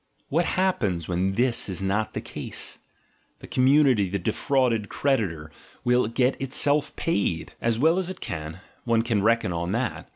What happens when this is not the case? The commun ity, the defrauded creditor, will get itself paid, as well as it can, one can reckon on that.